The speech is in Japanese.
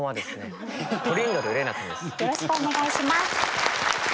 よろしくお願いします。